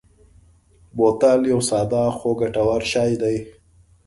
بوتل یو ساده خو ګټور شی دی.